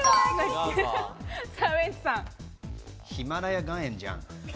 ヒマラヤ岩塩じゃん？